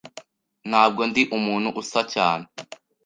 Ntabwo ndi umuntu usa cyane.